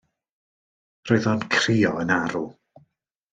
Roedd o yn crio yn arw.